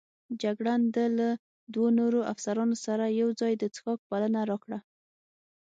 جګړن د له دوو نورو افسرانو سره یوځای د څښاک بلنه راکړه.